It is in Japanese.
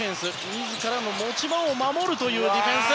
自らの持ち場を守るディフェンス。